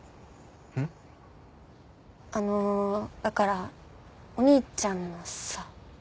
あのだからお兄ちゃんのさねっ。